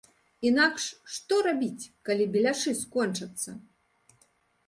Інакш, што рабіць, калі беляшы скончацца?